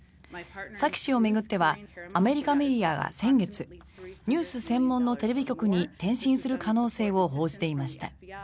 サキ氏を巡ってはアメリカメディアが先月ニュース専門のテレビ局に転身する可能性を報じていました。